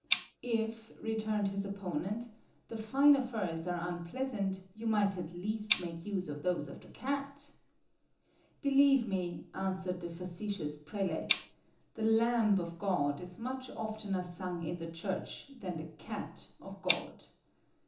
'If,' returned his opponent, 'the finer furs are unpleasant, you might at least make use of those of the cat.' 'Believe me,' answered the facetious prelate, 'the lamb of God is much oftener sung in the Church than the cat of God.'